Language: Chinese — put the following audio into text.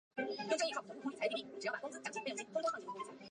大部分工作都引用费米悖论作为参考。